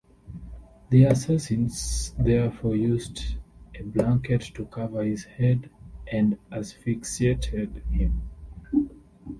The assassins therefore used a blanket to cover his head and asphyxiated him.